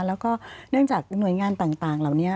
แล้วก็เนื่องจากหน่วยงานต่างเหล่านี้